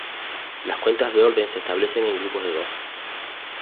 Las cuentas de orden se establecen en grupos de dos.